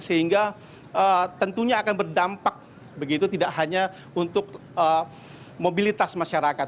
sehingga tentunya akan berdampak begitu tidak hanya untuk mobilitas masyarakat